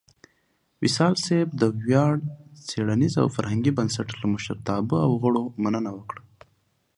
وصال صېب د ویاړ څیړنیز او فرهنګي بنسټ لۀ مشرتابۀ او غړو مننه وکړه